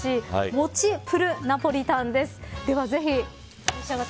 モチプル・ナポリタンです。